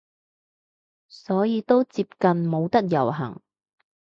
所以都接近冇得遊行